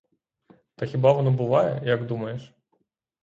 Та хіба воно буває, як думаєш?